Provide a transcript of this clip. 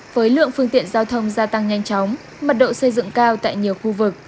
với lượng phương tiện giao thông gia tăng nhanh chóng mật độ xây dựng cao tại nhiều khu vực